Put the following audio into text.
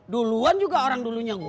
duluan juga orang dulunya si mumun